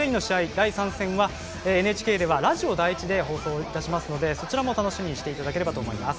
第３戦はＮＨＫではラジオ第１で放送いたしますのでそちらも楽しみにしていただければと思います。